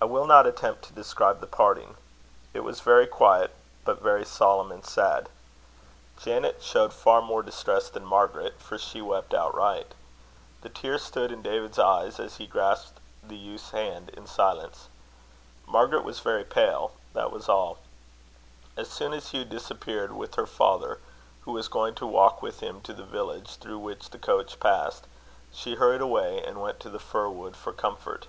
I will not attempt to describe the parting. It was very quiet, but very solemn and sad. Janet showed far more distress than Margaret, for she wept outright. The tears stood in David's eyes, as he grasped the youth's hand in silence. Margaret was very pale; that was all. As soon as Hugh disappeared with her father, who was going to walk with him to the village through which the coach passed, she hurried away, and went to the fir wood for comfort.